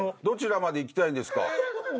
どちらまで行きたいんですか？